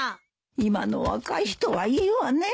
今の若い人はいいわね。